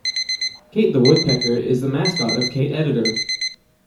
Kate the woodpecker is the mascot of Kate editor.